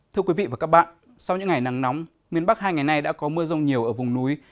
thưa quý vị và các bạn sau những ngày nắng nóng miền bắc hai ngày nay đã có mưa rông nhiều ở vùng núi